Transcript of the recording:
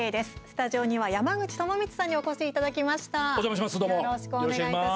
スタジオには、山口智充さんにお越しいただきました。